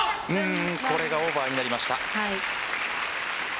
これがオーバーになりました。